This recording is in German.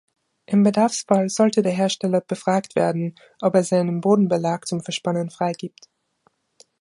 Im Bedarfsfall sollte der Hersteller befragt werden, ob er seinen Bodenbelag zum Verspannen freigibt.